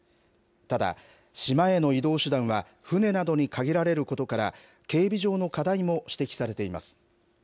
ただ、島への移動手段は船などに限られることから、警備上の課題も指摘されています。